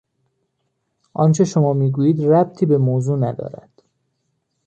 آنچه شما میگویید ربطی به موضوع ندارد.